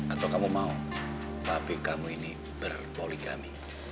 atau kamu mau pabrik kamu ini berpoligami